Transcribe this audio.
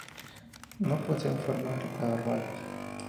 No poseen formas larvales.